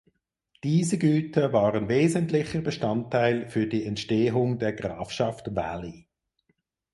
Diese Güter waren wesentlicher Bestandteil für die Entstehung der Grafschaft Valley.